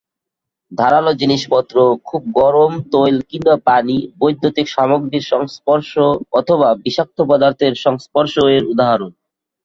ধারালো জিনিসপত্র, খুব গরম তৈল কিংবা পানি, বৈদ্যুতিক সামগ্রীর সংস্পর্শ অথবা বিষাক্ত পদার্থের সংস্পর্শ এর উদাহরণ।